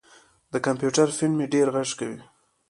د کمپیوټر فین مې ډېر غږ کوي.